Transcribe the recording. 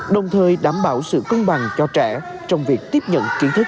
đồng thời đảm bảo sự công bằng cho trẻ trong việc tiếp nhận kiến thức